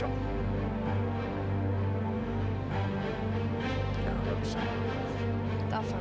jangan lupa taufan